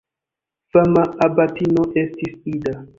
Fama abatino estis Ida.